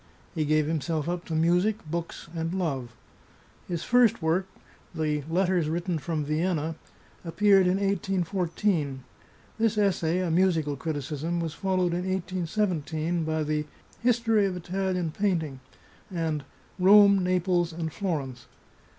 He gave himself up to music, books, and love. His first work, the "Letters Written from Vienna," appeared The Chartreuse of Parma in 1814; this essay, a musical criticism, was followed in 181^ by the " History of Italian Painting," and " Rome, Naples, and Florence."